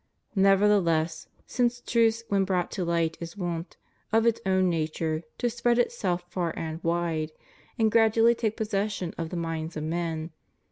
Nevertheless, since truth when brought to light is wont, of its own nature, to spread itself far and wide, and gradually take possession of the minds of men.